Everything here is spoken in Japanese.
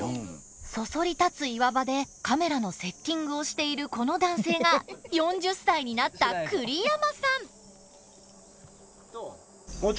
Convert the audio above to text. そそり立つ岩場でカメラのセッティングをしているこの男性が４０歳になった栗山さん！